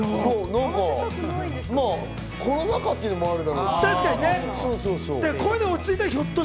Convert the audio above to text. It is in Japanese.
コロナ禍っていうのもあるだろうし。